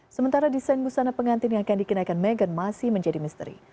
sementara desain busana pengantin yang akan dikenakan meghan masih menjadi misteri